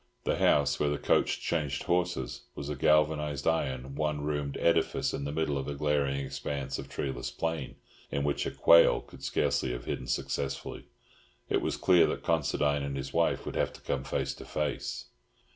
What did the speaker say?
The house, where the coach changed horses, was a galvanised iron, one roomed edifice in the middle of a glaring expanse of treeless plain, in which a quail could scarcely have hidden successfully. It was clear that Considine and his wife would have to come face to face.